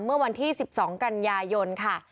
เมื่อวันที่๑๒กันยายนค่ะ